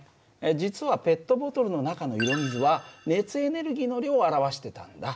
実はペットボトルの中の色水は熱エネルギーの量を表してたんだ。